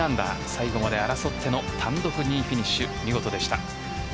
最後まで争っての単独２位フィニッシュ見事でした。